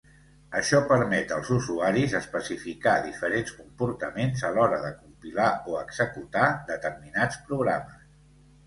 Això permet als usuaris especificar diferents comportaments a l'hora de compilar o executar determinats programes.